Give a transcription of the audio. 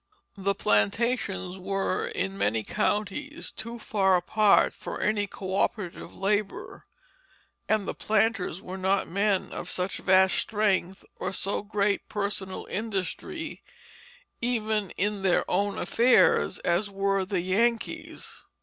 The plantations were in many counties too far apart for any coöperative labor, and the planters were not men of such vast strength or so great personal industry, even in their own affairs, as were the Yankees.